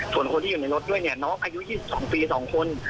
ส่วนคนที่อยู่ในรถด้วยเนี้ยน้องอายุยี่สิบสองปีสองคน